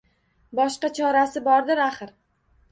Boshqa chorasi bordir axir